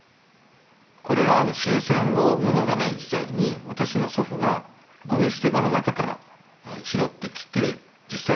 これは終戦後物がない時代に私の祖父がごみ捨て場の中から拾ってきて実際使ってたものです。